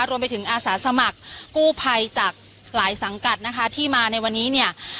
รวมไปถึงอาสาสมัครกู้ภัยจากหลายสังกัดนะคะที่มาในวันนี้เนี่ย